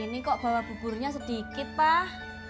ini kok bawa buburnya sedikit pak